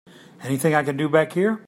Anything I can do back here?